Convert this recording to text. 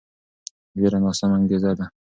ویره ناسمه انګیزه ده